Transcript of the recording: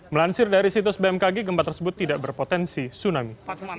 melansir dari situs bmkg gempa tersebut tidak berpotensi tsunami